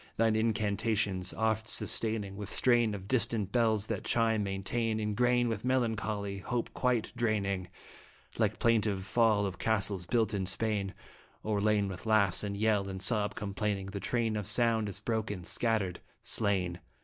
Thine incantations oft sustaining With strain of distant bells that chimes maintain Ingrain with melancholy, hope quite draining, Like plaintive fall of castles built in Spain. O'erlain with laugh and yell and sob complaining, The train of sound is broken, scattered, slain.